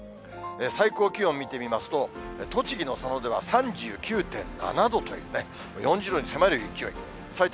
最高気温見てみますと、栃木の佐野では３９．７度という、４０度に迫る勢い。